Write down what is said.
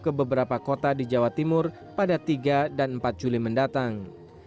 ke beberapa kota di jawa timur pada tiga dan empat juli mendatang